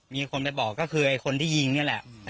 มีคนไปบอกก็คือไอ้คนที่ยิงนี่แหละ